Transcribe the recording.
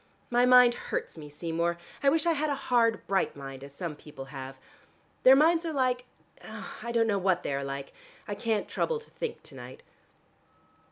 My mind hurts me, Seymour. I wish I had a hard bright mind as some people have. Their minds are like ... I don't know what they are like: I can't trouble to think to night.